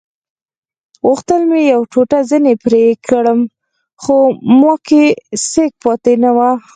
غوښتل مې یوه ټوټه ځینې پرې کړم خو ما کې سېک پاتې نه وو.